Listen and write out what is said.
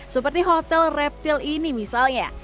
seperti hotel reptil ini misalnya